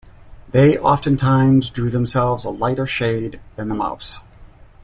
They oftentimes drew themselves a lighter shade than the mouse.